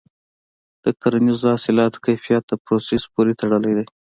د کرنیزو حاصلاتو کیفیت د پروسس پورې تړلی دی.